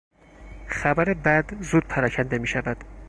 خبر بد زود پراکنده میشود.